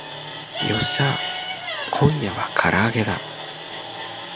よっしゃー今夜は唐揚げだ